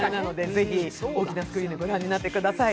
ぜひ大きなスクリーンでご覧になってください。